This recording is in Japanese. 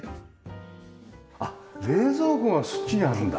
あっ冷蔵庫がそっちにあるんだ。